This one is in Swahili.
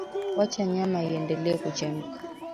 wacha nyama iendelea kuchemka